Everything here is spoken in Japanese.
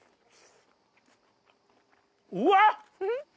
うわっ！